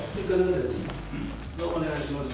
お願いします。